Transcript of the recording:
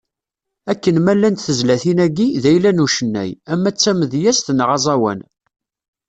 Akken ma llant tezlatin-agi, d ayla n ucennay, ama d tameyazt neɣ aẓawan.